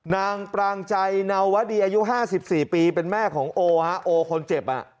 นางปรางใจเนาวดีอายุ๕๔ปีเป็นแม่ของโอฮะโอคนเจ็บอ่ะ